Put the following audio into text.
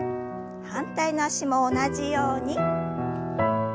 反対の脚も同じように。